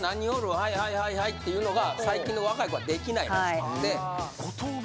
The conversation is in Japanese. はいはいはいはいっていうのが最近の若い子はできないらしくて５等分？